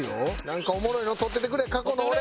なんかおもろいの撮っててくれ過去の俺！